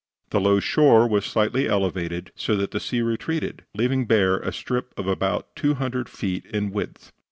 The low shore was slightly elevated, so that the sea retreated, leaving bare a strip about two hundred feet in width.